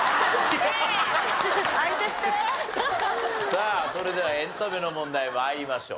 さあそれではエンタメの問題参りましょう。